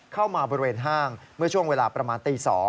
เข้ามาบริเวณห้างเมื่อช่วงเวลาประมาณตี๒